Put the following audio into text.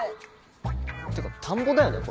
ってか田んぼだよね？